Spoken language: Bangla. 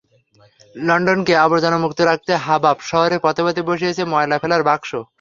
লন্ডনকে আবর্জনামুক্ত রাখতে হাবাব শহরের পথে পথে বসিয়েছে ময়লা ফেলার বাক্স।